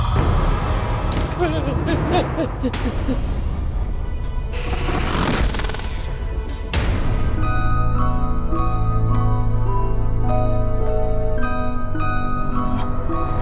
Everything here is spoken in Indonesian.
jangan lupa like share dan subscribe channel ini